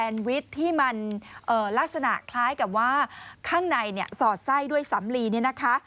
ลักษณะคล้ายกับว่าข้างในเนี่ยสอดไส้ด้วยสำลีเนี่ยนะคะ